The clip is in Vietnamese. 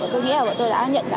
tôi nghĩ là tôi đã nhận